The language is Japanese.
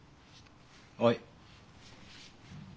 おい！